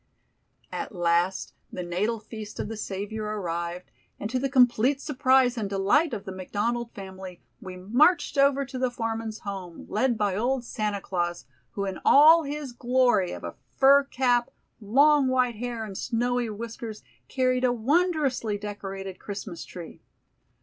At last the natal feast of the Savior arrived, and to the complete surprise and delight of the McDonald family, we marched over to the foreman's home, led by old "Santa Claus", who in all his glory of a fur cap, long white hair and snowy whiskers, carried a wondrously decorated Christmas tree.